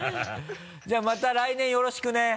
じゃあまた来年よろしくね！